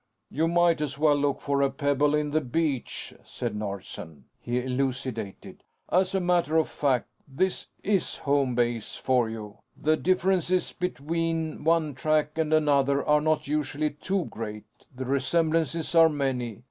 "You might as well look for a pebble in the beach," said Nordsen. He elucidated: "As a matter of fact, this is Home Base for you. The differences between one track and another are not usually too great; the resemblances are many.